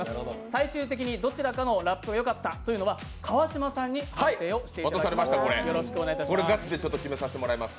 最終的にどちらかのラップがよかったかは川島さんに判定していただきます。